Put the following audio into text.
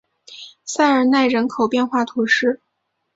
塞尔奈人口变化图示